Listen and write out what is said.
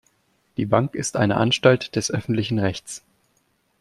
Die Bank ist eine Anstalt des öffentlichen Rechts.